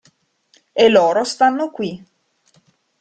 E loro stanno qui!